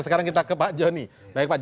sekarang kita ke pak joni